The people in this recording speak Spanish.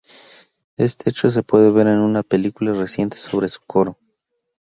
Este hecho se puede ver en una película reciente sobre su coro.